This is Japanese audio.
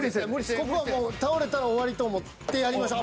ここはもう倒れたら終わりと思ってやりましょう。